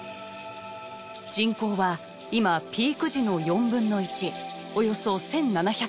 人口は今ピーク時の４分の１およそ１７００人。